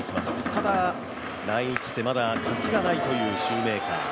ただ、来日して勝ちがないというシューメーカー。